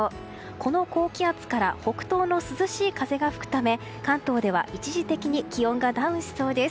この高気圧から北東の涼しい風が吹くため関東では一時的に気温がダウンしそうです。